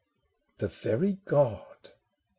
The very God !